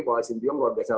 bahwa sintiom luar biasa